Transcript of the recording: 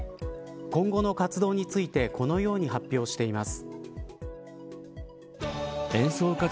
今後の活動についてこのように発表しています。